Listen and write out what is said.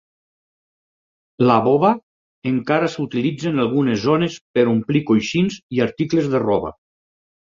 La bova encara s'utilitza en algunes zones per omplir coixins i articles de roba.